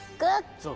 そう。